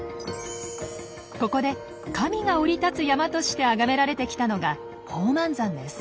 ここで神が降り立つ山としてあがめられてきたのが宝満山です。